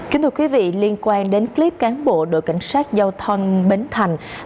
kính thưa quý vị liên quan đến clip cán bộ đội cảnh sát giao thông bến thành